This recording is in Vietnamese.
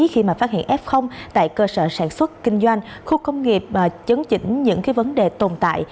khi mà phát hiện f tại cơ sở sản xuất kinh doanh khu công nghiệp chấn chỉnh những vấn đề tồn tại